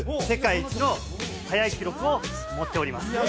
世界一の速い記録を持っております